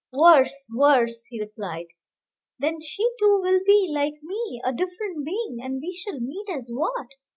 "Worse, worse!" he replied; "then she too will be, like me, a different being, and we shall meet as what?